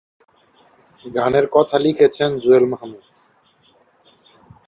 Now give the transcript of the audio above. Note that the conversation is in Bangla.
গানের কথা লিখেছেন "জুয়েল মাহমুদ"।